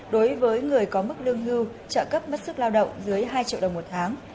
đối với người có mức lương hưu trợ cấp mất sức lao động dưới hai triệu đồng một tháng